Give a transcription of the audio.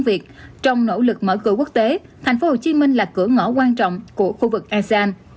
việt trong nỗ lực mở cửa quốc tế thành phố hồ chí minh là cửa ngõ quan trọng của khu vực asean